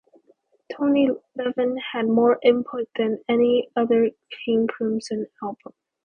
Tony Levin had more input than on any other King Crimson album.